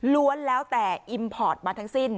้วนแล้วแต่อิมพอร์ตมาทั้งสิ้น